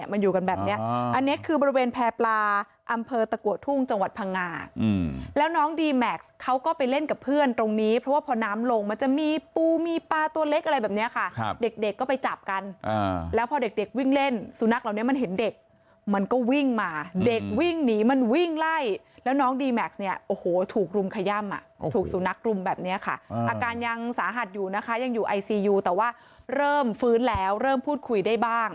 มันอยู่กันแบบนี้อันนี้คือบริเวณแผลปลาอำเภอตะกวดทุ่งจังหวัดพังงาแล้วน้องดีแม็กซ์เขาก็ไปเล่นกับเพื่อนตรงนี้เพราะว่าพอน้ำลงมันจะมีปูมีปลาตัวเล็กอะไรแบบนี้ค่ะเด็กก็ไปจับกันแล้วพอเด็กวิ่งเล่นสุนัขเหล่านี้มันเห็นเด็กมันก็วิ่งมาเด็กวิ่งหนีมันวิ่งไล่แล้วน้องดีแม็กซ